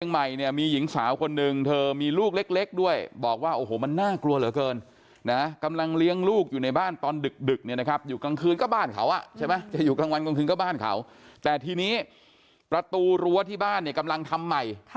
เมืองใหม่เนี่ยมีหญิงสาวคนหนึ่งเธอมีลูกเล็กด้วยบอกว่าโอ้โหมันน่ากลัวเหลือเกินนะกำลังเลี้ยงลูกอยู่ในบ้านตอนดึกเนี่ยนะครับอยู่กลางคืนก็บ้านเขาอ่ะใช่ไหมจะอยู่กลางวันกลางคืนก็บ้านเขาแต่ทีนี้ประตูรั้วที่บ้านเนี่ยกำลังทำใหม่